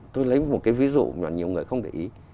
tôi lấy một cái ví dụ mà nhiều người không để ý